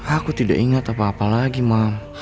aku tidak ingat apa apa lagi mam